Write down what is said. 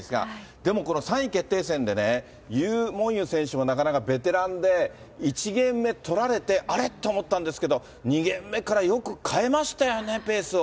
でもこの３位決定戦でね、ユー・モンユー選手もなかなかベテランで、１ゲーム目取られて、あれ？と思ったんですけど、２ゲーム目からよく変えましたよね、ペースを。